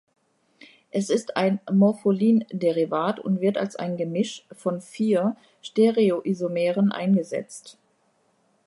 Es ist ein Morpholin-Derivat und wird als ein Gemisch von vier Stereoisomeren eingesetzt.